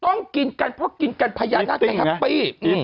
ต้องกินกันเพราะกินกันพญานาคจะแฮปปี้